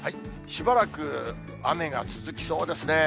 しばらく雨が続きそうですね。